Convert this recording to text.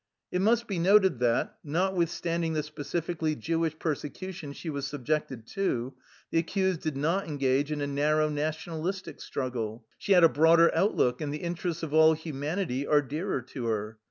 It must be noted that, notwithstanding the specifically Jewish persecu tion she was subjected to, the accused did not engage in a narrow nationalistic struggle. She had a broader outlook, and the interests of all humanity are dearer to her.